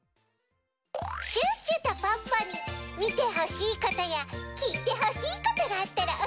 シュッシュとポッポにみてほしいことやきいてほしいことがあったらおしえてね。